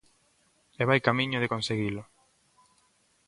E vai camiño de conseguilo.